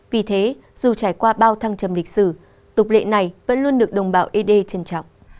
vẫn luôn được đồng bào ế đê trân trọng